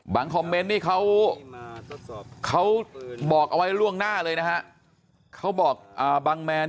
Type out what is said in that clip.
คอมเมนต์นี่เขาบอกเอาไว้ล่วงหน้าเลยนะฮะเขาบอกบางแมน